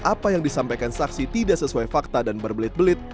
apa yang disampaikan saksi tidak sesuai fakta dan berbelit belit